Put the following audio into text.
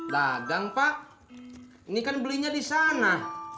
dagang pak ini kan belinya di sana